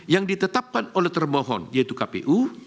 yang ditetapkan oleh termohon yaitu kpu